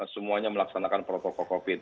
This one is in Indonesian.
semuanya melaksanakan protokol covid